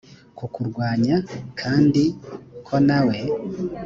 kukurwanya kandi ko nawe